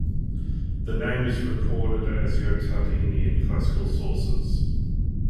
The name is recorded as "Votadini" in classical sources.